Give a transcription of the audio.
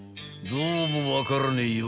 どうも分からねえ